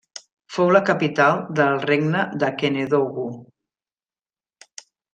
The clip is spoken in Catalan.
Fou la capital del regne de Kénédougou.